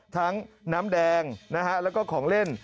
ทั้งน้ำแดงและก็ของเล่น